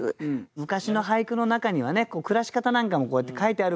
昔の俳句の中にはね暮らし方なんかもこうやって書いてあるから。